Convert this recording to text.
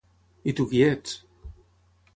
I tu qui ets?